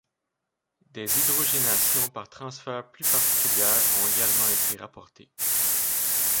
Des hydrogénations par transfert plus particulières ont également été rapportées.